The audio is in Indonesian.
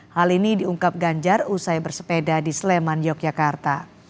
hal ini diungkap ganjar usai bersepeda di sleman yogyakarta